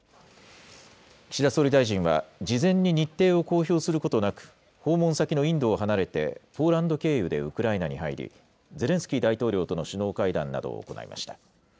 岸田総理大臣は、事前に日程を公表することなく、訪問先のインドを離れて、ポーランド経由でウクライナに入り、ゼレンスキー大統領との首脳会談などを行いました。